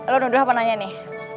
lo udah apa nanya nih